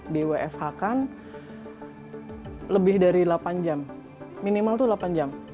di wfh kan lebih dari delapan jam minimal itu delapan jam